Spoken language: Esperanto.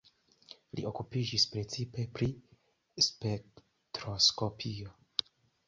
Li okupiĝas precipe pri spektroskopio.